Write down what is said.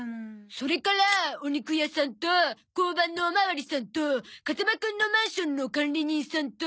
それからお肉屋さんと交番のおまわりさんと風間くんのマンションの管理人さんと。